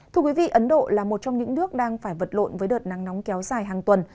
thưa quý vị ấn độ là một trong những nước đang phải vật lộn với đợt nắng nóng kéo dài hàng tuần